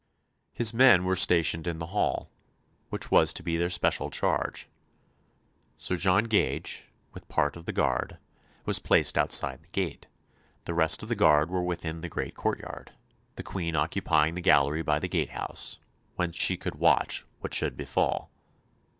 His men were stationed in the hall, which was to be their special charge. Sir John Gage, with part of the guard, was placed outside the gate, the rest of the guard were within the great courtyard; the Queen occupying the gallery by the gatehouse, whence she could watch what should befall.